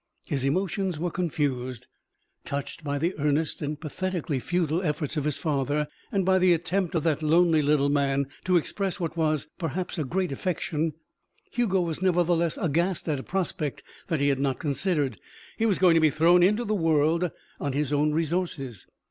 His emotions were confused. Touched by the earnest and pathetically futile efforts of his father and by the attempt of that lonely little man to express what was, perhaps, a great affection, Hugo was nevertheless aghast at a prospect that he had not considered. He was going to be thrown into the world on his own resources.